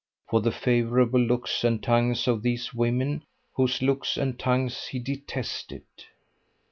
For the favourable looks and tongues of these women whose looks and tongues he detested!